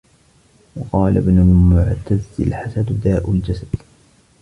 وَقَالَ ابْنُ الْمُعْتَزِّ الْحَسَدُ دَاءُ الْجَسَدِ